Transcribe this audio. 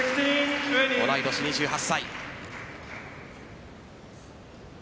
同い年、２８歳。